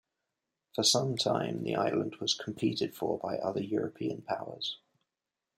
For some time the island was competed for by other European powers.